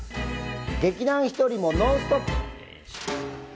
劇団ひとりも「ノンストップ！」。